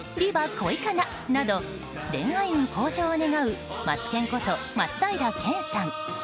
恋叶」など恋愛運向上を願うマツケンこと松平健さん。